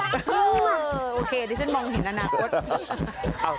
โอเคได้ฉันมองเห็นอนาคต